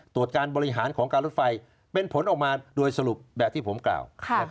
ตรวจการบริหารของการรถไฟเป็นผลออกมาโดยสรุปแบบที่ผมกล่าว